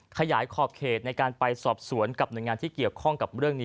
ขยายขอบเขตในการไปสอบสวนกับหน่วยงานที่เกี่ยวข้องกับเรื่องนี้